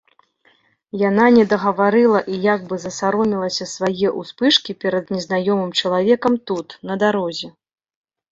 Яна недагаварыла і як бы засаромелася свае ўспышкі перад незнаёмым чалавекам тут, на дарозе.